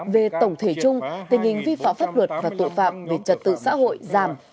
về tổng thể chung tình hình vi phạm pháp luật và tội phạm về trật tự xã hội giảm